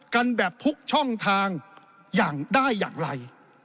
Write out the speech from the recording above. กันแบบทุกช่องทางอย่างได้อย่างไร